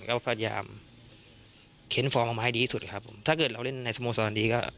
ก็พยายามเค้นฟอร์มออกมาให้ดีที่สุดครับผมถ้าเกิดเราเล่นในสโมสรดีก็